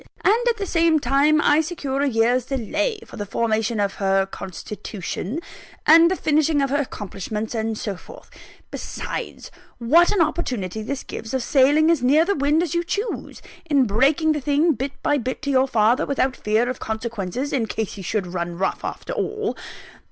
And, at the same time, I secure a year's delay, for the formation of her constitution, and the finishing of her accomplishments, and so forth. Besides, what an opportunity this gives of sailing as near the wind as you choose, in breaking the thing, bit by bit, to your father, without fear of consequences, in case he should run rough after all.